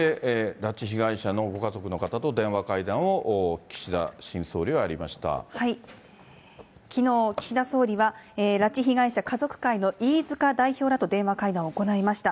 拉致被害者のご家族の方と電話会談を、きのう岸田総理は、拉致被害者家族会の飯塚代表らと電話会談を行いました。